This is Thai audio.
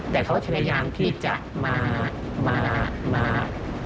แต่เขาจะยังที่จะมามามา